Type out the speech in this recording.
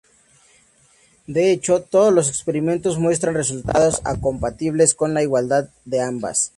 De hecho, todos los experimentos muestran resultados compatibles con la igualdad de ambas.